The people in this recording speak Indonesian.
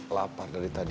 lapar dari tadi